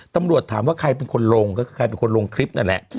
ตำรวจถามว่าใครเป็นคนลงก็คือใครเป็นคนลงคลิปนั่นแหละ